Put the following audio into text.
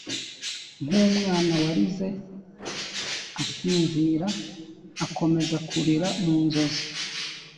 nkumwana warize asinzira akomeza kurira mu nzozi.